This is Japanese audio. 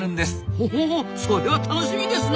ほほうそれは楽しみですな！